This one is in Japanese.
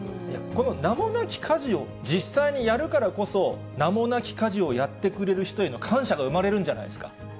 この名もなき家事を実際にやるからこそ、名もなき家事をやってくれる人への感謝が生まれるんじゃないです